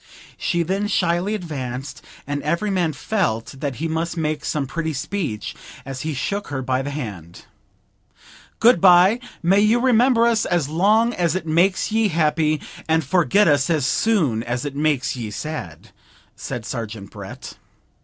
She then shyly advanced, and every man felt that he must make some pretty speech as he shook her by the hand. 'Good bye! May you remember us as long as it makes ye happy, and forget us as soon as it makes ye sad,' said Sergeant Brett.